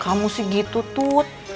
kamu sih gitu tut